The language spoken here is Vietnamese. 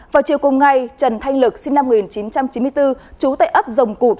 vào chiều cùng ngày trần thanh lực sinh năm một nghìn chín trăm chín mươi bốn chú tại ấp dồng cụp